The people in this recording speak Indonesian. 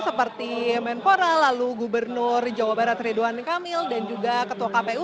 seperti menpora lalu gubernur jawa barat ridwan kamil dan juga ketua kpu